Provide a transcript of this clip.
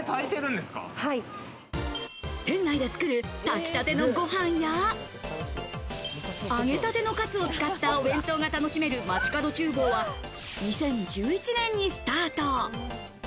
店内で作る炊きたてのご飯や、揚げたてのカツを使ったお弁当が楽しめる、まちかど厨房は２０１１年にスタート。